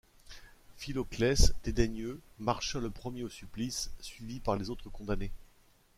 Philoclès, dédaigneux, marcha le premier au supplice, suivi par les autres condamnés.